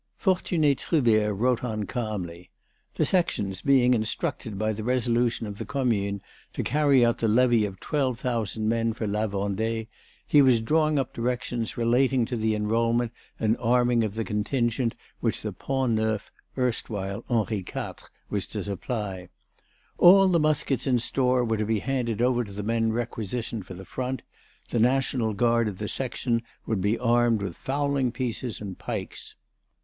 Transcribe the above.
Fortuné Trubert wrote on calmly. The Sections being instructed by resolution of the Commune to carry out the levy of twelve thousand men for La Vendée, he was drawing up directions relating to the enrolment and arming of the contingent which the "Pont Neuf," erstwhile "Henri IV," was to supply. All the muskets in store were to be handed over to the men requisitioned for the front; the National Guard of the Section would be armed with fowling pieces and pikes.